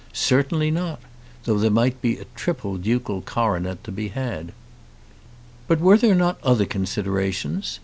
Certainly not, though there might be a triple ducal coronet to be had. But were there not other considerations?